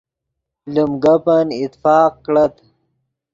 لیم گپن اتفاق کڑت